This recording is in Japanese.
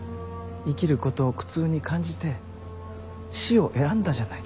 生きることを苦痛に感じて死を選んだじゃないですか。